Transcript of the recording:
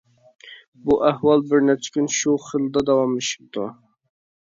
بۇ ئەھۋال بىر نەچچە كۈن شۇ خىلدا داۋاملىشىپتۇ.